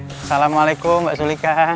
assalamualaikum mbak sulika